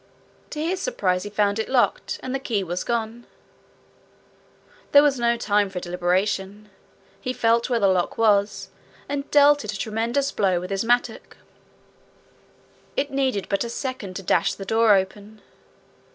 To his surprise he found it locked, and the key was gone. There was no time for deliberation. He felt where the lock was, and dealt it a tremendous blow with his mattock. It needed but a second to dash the door open.